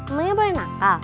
emangnya boleh nakal